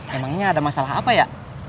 memangnya ada masalah apa ya